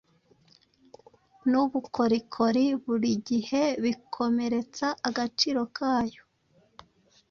Nubukorikori burigihe bikomeretsa agaciro kayo